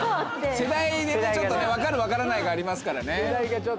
世代でねちょっとねわかるわからないがありますからね。